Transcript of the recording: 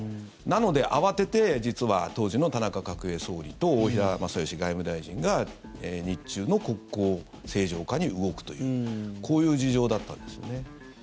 なので慌てて実は当時の田中角栄総理と大平正芳外務大臣が日中の国交正常化に動くというこういう事情だったんですね。